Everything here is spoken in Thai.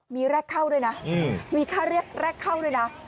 มีแรกเข้าด้วยนะมีค่าเรียกแรกเข้าด้วยนะ